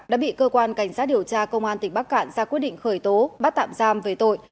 đã bị cơ quan cảnh sát điều tra công an tỉnh bắc cạn ra quyết định khởi tố bắt tạm giam về tội